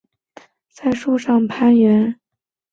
擅长在树上攀援。